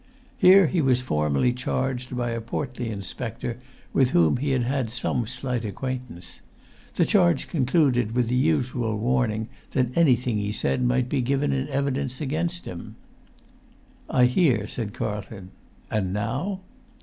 Here he was formally charged by a portly inspector with whom he had some slight acquaintance; the charge concluded with the usual warning that anything he said might be given in evidence against him. "I hear," said Carlton. "And now?"